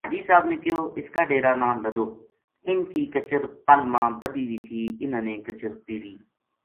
حاجی صاحب نے کہیو اس کا ڈیرا نا لَدو اِنھ کی کچر پل ما بَدھی وی تھی اِنھاں نے کچر پِیڑی